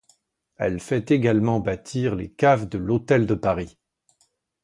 Elle fait également bâtir les caves de l'hôtel de Paris.